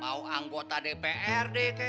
mau anggota dprd